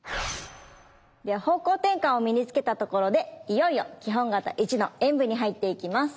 では方向転換を身につけたところでいよいよ基本形１の演武に入っていきます。